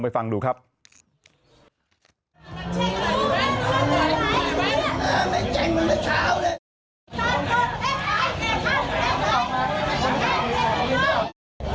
ทางแฟนสาวก็พาคุณแม่ลงจากสอพอ